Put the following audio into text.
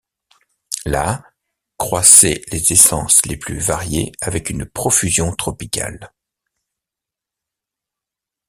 Là, croissaient les essences les plus variées avec une profusion tropicale.